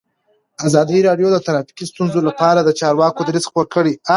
ازادي راډیو د ټرافیکي ستونزې لپاره د چارواکو دریځ خپور کړی.